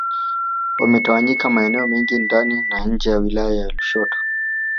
Wametawanyika maeneo mengi ndani na nje ya wilaya ya Lushoto